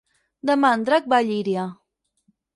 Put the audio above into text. Demà en Drac va a Llíria.